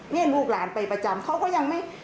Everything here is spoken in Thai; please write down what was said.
นี่ลูกหลานไปประจำเขาก็ยังไม่